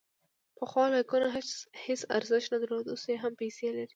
پخوا لایکونه هیڅ ارزښت نه درلود، اوس هم پیسې لري.